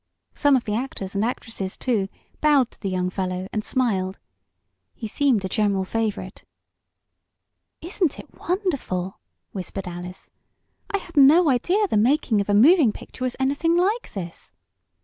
Some of the actors and actresses, too, bowed to the young fellow and smiled. He seemed a general favorite. "Isn't it wonderful?" whispered Alice. "I had no idea the making of a moving picture was anything like this!"